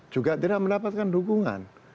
juga tidak mendapatkan dukungan